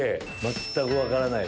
全く分からないです。